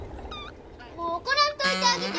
もう怒らんといてあげて。